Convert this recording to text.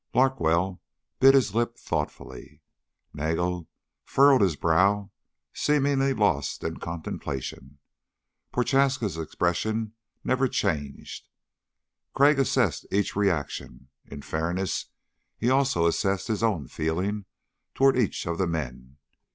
Larkwell bit his lip thoughtfully. Nagel furrowed his brow, seemingly lost in contemplation. Prochaska's expression never changed. Crag assessed each reaction. In fairness, he also assessed his own feeling toward each of the men.